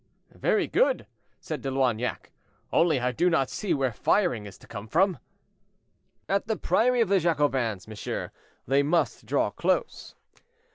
"Very good!" said De Loignac, "only I do not see where firing is to come from." "At the priory of the Jacobins, monsieur, they must draw close."